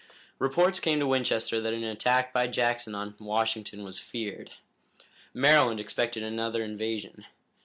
Reports came to Winchester that an attack by Jackson on Washington was feared. Maryland expected another invasion.